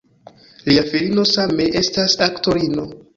Lia filino same estas aktorino.